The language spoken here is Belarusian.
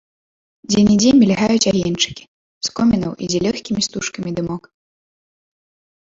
Дзе-нідзе мільгаюць агеньчыкі, з комінаў ідзе лёгкімі стужкамі дымок.